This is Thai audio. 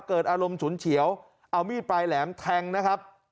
เกิดอารมณ์ฉุนเฉียวเอามีดปลายแหลมแทงนะครับ